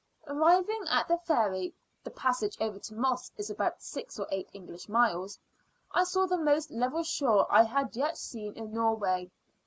Arriving at the ferry (the passage over to Moss is about six or eight English miles) I saw the most level shore I had yet seen in Norway.